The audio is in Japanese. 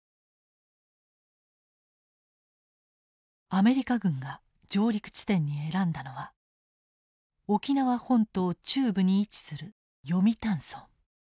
アメリカ軍が上陸地点に選んだのは沖縄本島中部に位置する読谷村。